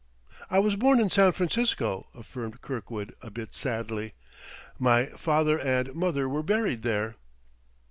"I was born in San Francisco," affirmed Kirkwood a bit sadly. "My father and mother were buried there